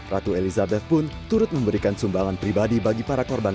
ratu elizabeth pun turut memberikan sumbangan pribadi bagi para korban